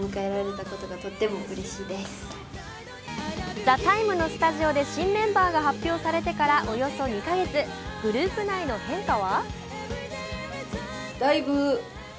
「ＴＨＥＴＩＭＥ，」のスタジオで新メンバーが発表されてから２か月グループ内の変化は？